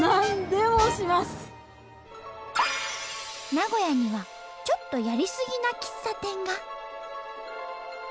名古屋にはちょっとやりすぎな喫茶店が。